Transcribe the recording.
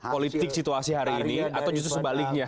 politik situasi hari ini atau justru sebaliknya